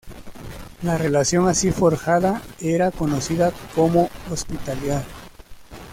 La relación así forjada era conocida como hospitalidad.